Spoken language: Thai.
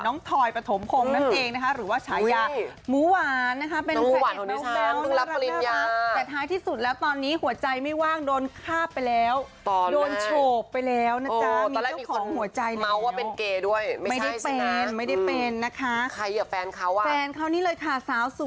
น้องทอยปทมภงนั้นเองนะคะหรือว่าฉายะ